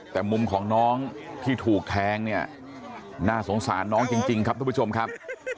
แต่มุมของน้องที่ถูกแทงเนี่ยน่าสงสารน้องจริงครับทุกผู้ชมครับ